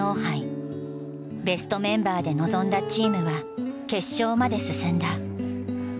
ベストメンバーで臨んだチームは決勝まで進んだ。